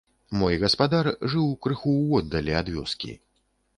Мой гаспадар жыў крыху ўводдалі ад вёскі.